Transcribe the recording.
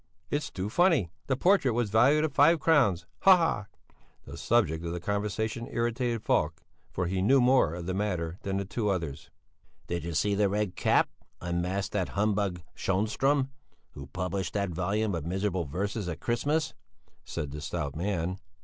It's too funny! The portrait was valued at five crowns! Hahahaha!" The subject of conversation irritated Falk, for he knew more of the matter than the two others. "Did you see that the Red Cap unmasked that humbug Schönström who published that volume of miserable verses at Christmas?" said the stout man.